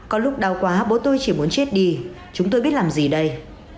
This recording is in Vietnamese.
có lúc đau quá bố tôi chỉ muốn chết đi chúng tôi biết làm gì đây